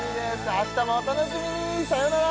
あしたもお楽しみにさよなら